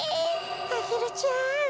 アゲルちゃん。